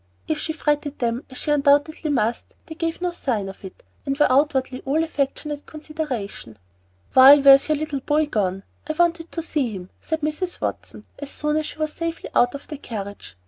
If she fretted them, as she undoubtedly must, they gave no sign of it, and were outwardly all affectionate consideration. "Why, where is your little boy gone? I wanted to see him," said Mrs. Watson, as soon as she was safely out of the carriage.